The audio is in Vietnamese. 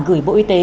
gửi bộ y tế